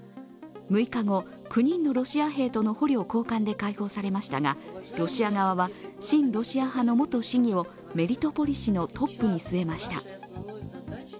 ６日後、９人のロシア兵との捕虜交換で解放されましたがロシア側は、親ロシア派の元市議をメリトポリ市のトップに据えました。